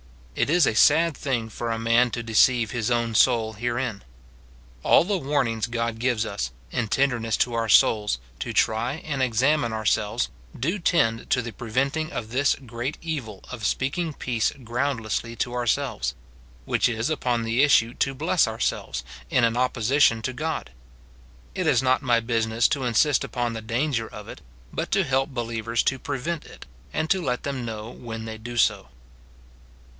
It is a sad thing for a man to deceive his own soul herein. All the warnings God gives us, in tenderness to our souls, to try and examine ourselves, do tend to the preventing of this great evil of speaking peace groundlessly to ourselves ; which is upon the issue to bless ourselves, in an opposi tion to God. It is not my business to insist upon the danger of it, but to help believers to prevent it, and to let them know when they do so.